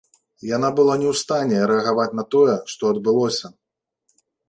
Яна была не ў стане рэагаваць на тое, што адбылося.